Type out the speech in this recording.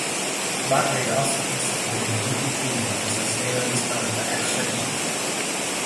Barbry also conceived the name "Wookiepedia", which was later respelled with an extra 'e'.